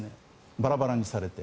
バラバラにされて。